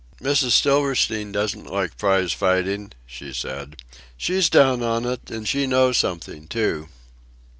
"Mrs. Silverstein doesn't like prize fighting," she said. "She's down on it, and she knows something, too."